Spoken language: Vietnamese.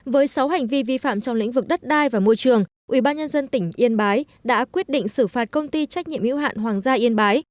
với sáu hành vi vi phạm trong lĩnh vực đất đai và môi trường ubnd tỉnh yên bái đã quyết định xử phạt công ty trách nhiệm hữu hạn hoàng gia yên bái